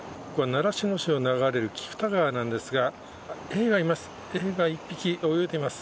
習志野市を流れる菊田川なんですがエイがいます。